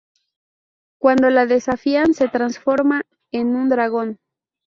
Cuando la desafían, se transforma en un dragón.